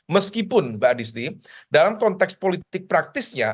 meskipun mbak distri dalam konteks politik praktisnya